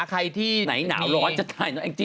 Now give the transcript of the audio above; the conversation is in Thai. ไหนหนาวร้อนจัดการเนี่ย